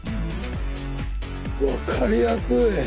分かりやすい！